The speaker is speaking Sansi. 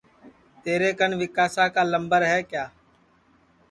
تیرے کن ویکاسا کا لمبر ہے کیا